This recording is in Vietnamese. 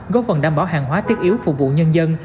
góp phần đảm bảo hàng hóa thiết yếu phục vụ nhân dân